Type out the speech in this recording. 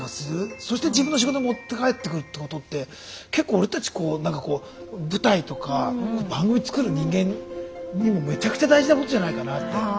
そして自分の仕事に持って帰ってくるってことって結構俺たち何かこう舞台とか番組作る人間にもめちゃくちゃ大事なことじゃないかなって。